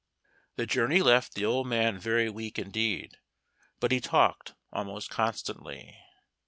The journey left the old man very weak indeed, but he talked almost constantly.